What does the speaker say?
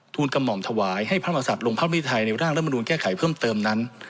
ทูลกระหม่อมถวายให้พระธรรมศัตริย์ลงพระบุญธัยในร่างรัฐธรรมนูญแก้ไขเพิ่มเติมนั้น